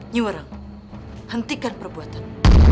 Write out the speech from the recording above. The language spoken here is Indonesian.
nyuarang hentikan perbuatan